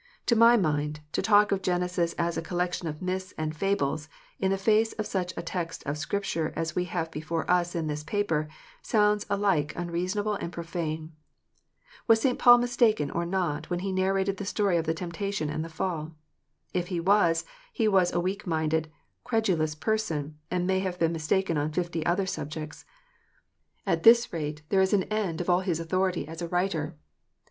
To my mind, to talk of Genesis as a collection of myths and fables, in the face of such a text of Scripture as we have before us in this paper, sounds alike unreasonable and profane. Was St. Paul mistaken or not, when he narrated the story of the temptation and the fall? If he was, he was a weak minded, credulous person, and may have been mistaken on fifty other subjects. At this rate there is an end of all his authority as a APOSTOLIC FEARS. 391 writer